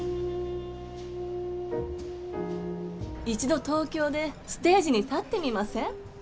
一度東京でステージに立ってみません？